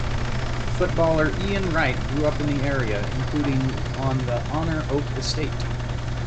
Footballer Ian Wright grew up in the area, including on the Honor Oak Estate.